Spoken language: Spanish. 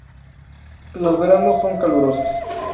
Los veranos son calurosos.